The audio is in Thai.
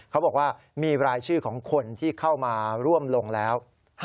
เขาบอกว่ามีรายชื่อของคนที่เข้ามาร่วมลงแล้ว